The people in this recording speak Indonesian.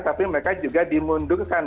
tapi mereka juga dimundurkan